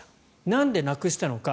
なんでなくしたのか。